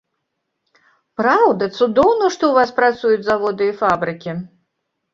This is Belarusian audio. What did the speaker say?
Праўда, цудоўна, што ў вас працуюць заводы і фабрыкі.